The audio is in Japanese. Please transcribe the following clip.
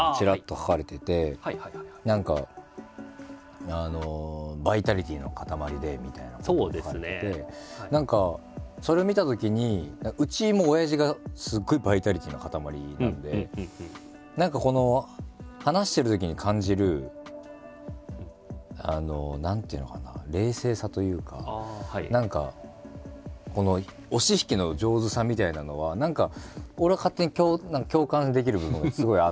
何か「バイタリティーの塊で」みたいなことが書かれてて何かそれを見たときにうちも親父がすごいバイタリティーの塊なんで何かこの話してるときに感じる何ていうのかな冷静さというか何か押し引きの上手さみたいなのは何か俺は勝手に共感できる部分がすごいあって。